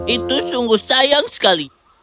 itu sungguh sayang sekali